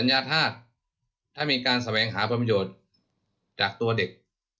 ยาธาตุถ้ามีการแสวงหาประโยชน์จากตัวเด็ก